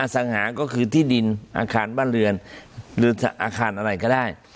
สังหาก็คือที่ดินอาคารบ้านเรือนหรืออาคารอะไรก็ได้